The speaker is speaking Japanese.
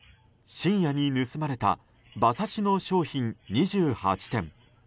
深夜に盗まれた馬刺しの商品２８点。